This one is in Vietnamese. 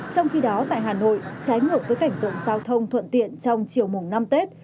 trong khi đó tại hà nội trái ngược với cảnh tượng giao thông thuận tiện trong chiều mùng năm tết